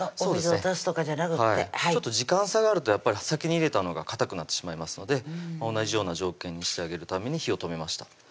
お水を足すとかじゃなくって時間差があると先に入れたのがかたくなってしまいますので同じような条件にしてあげるために火を止めました